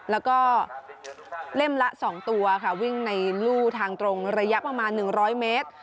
แล้วก็เล่มละ๒ตัวค่ะวิ่งในลู่ทางตรงระยะประมาณ๑๐๐เมตร